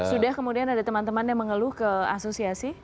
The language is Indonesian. sudah kemudian ada teman teman yang mengeluh ke asosiasi